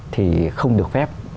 thì không được phép